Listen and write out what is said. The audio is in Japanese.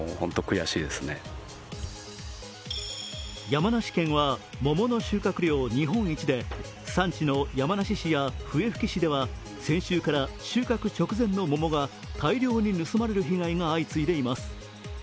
山梨県は桃の収穫量は日本一で産地の山梨市や笛吹市では先週から収穫直前の桃が大量に盗まれる被害が相次いでいます。